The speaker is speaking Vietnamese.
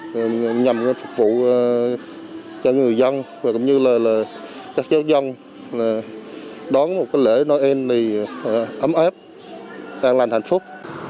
cũng như là nhằm phục vụ cho người dân cũng như là cho các giáo dân đón một cái lễ noel này ấm ép đang làm hạnh phúc